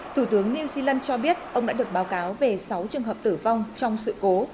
thủ tướng new zealand cho biết ông đã được báo cáo về sáu trường hợp tử vong trong sự cố